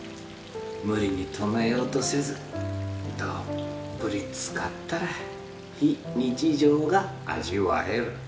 無理に止めようとせずどっぷりつかったら非日常が味わえる。